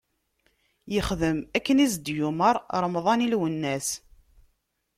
Ixdem akken i s-d-yumeṛ Remḍan i Lwennas.